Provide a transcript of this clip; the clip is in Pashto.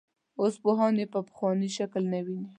اوس پوهان یې په پخواني شکل نه ویني.